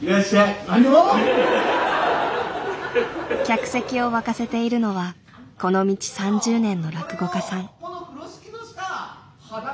客席を沸かせているのはこの道３０年の落語家さん。